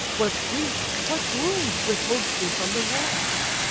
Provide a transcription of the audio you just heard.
What grief, what wound, withholds thee from the war?"